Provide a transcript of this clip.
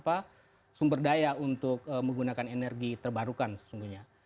pemerintah juga punya banyak sumber daya untuk menggunakan energi terbarukan sejujurnya